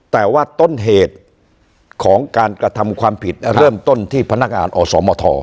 แต่ว่าต้นเหตุของการกระทำความผิดเริ่มต้นที่พนักงานอสมท